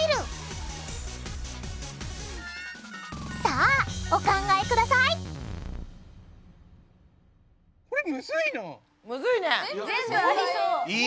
さあお考えくださいむずいね。